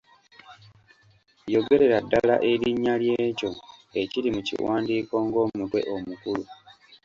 Yogerera ddala erinnya ly'ekyo ekiri mu kiwandiiko ng'omutwe omukulu.